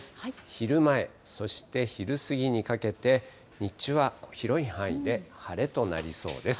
昼前、そして昼過ぎにかけて、日中は広い範囲で晴れとなりそうです。